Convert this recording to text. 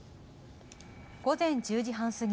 午前１０時半過ぎ